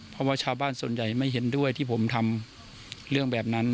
เพราะว่าชาวบ้านส่วนใหญ่ไม่เห็นด้วยที่ผมทำเรื่องแบบนั้น